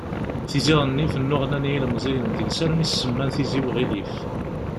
Tizi Ɣennif nnuɣnan yilmeẓyen deg-s armi i as-semman: Tizi Uɣilif.